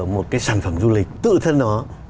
một cái sản phẩm du lịch tự thân nó